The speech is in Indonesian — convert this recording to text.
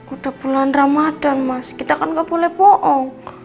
udah bulan ramadhan mas kita kan gak boleh bohong